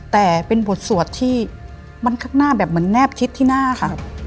แต่เป็นบทสวดที่มันข้างหน้าแบบเหมือนแนบชิดที่หน้าค่ะ